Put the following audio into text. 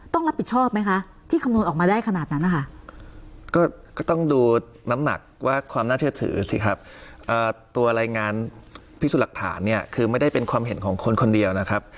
เพราะฉะนั้นพิสูจน์หลักฐานคือไม่ได้เป็นความเห็นของคนคนเดียวนะครับ